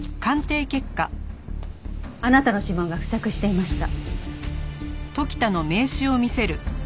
あなたの指紋が付着していました。